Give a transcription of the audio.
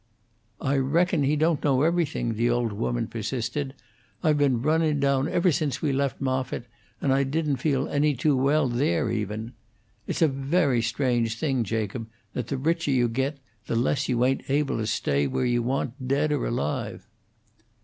"I reckon he don't know everything," the old woman persisted: "I've been runnin' down ever since we left Moffitt, and I didn't feel any too well there, even. It's a very strange thing, Jacob, that the richer you git, the less you ain't able to stay where you want to, dead or alive."